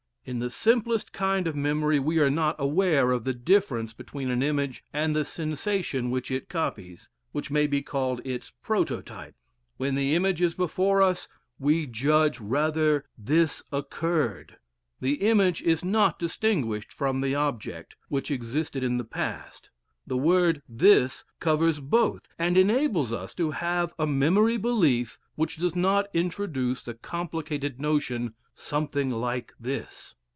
In the simplest kind of memory we are not aware of the difference between an image and the sensation which it copies, which may be called its "prototype." When the image is before us, we judge rather "this occurred." The image is not distinguished from the object which existed in the past: the word "this" covers both, and enables us to have a memory belief which does not introduce the complicated notion "something like this."